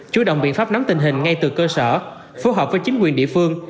chú động biện pháp nắm tình hình ngay từ cơ sở phù hợp với chính quyền địa phương